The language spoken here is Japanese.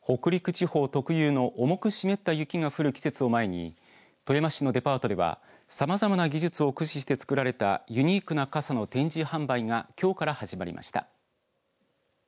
地方特有の重く湿った雪が降る季節を前に富山市のデパートではさまざまな技術を駆使して作られたユニークな傘の展示販売がきょうから始まりました。